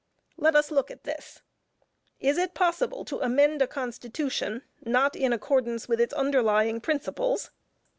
Let us look at this. Is it possible to amend a Constitution not in accordance with its underlying principles?